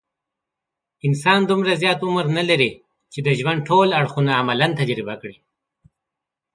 انسان دومره زیات عمر نه لري، چې د ژوند ټول اړخونه عملاً تجربه کړي.